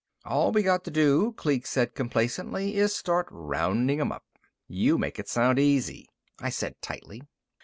"All we got to do," Kleek said complacently, "is start rounding 'em up." "You make it sound easy," I said tightly.